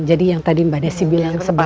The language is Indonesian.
jadi yang tadi mbak desy bilang sebagai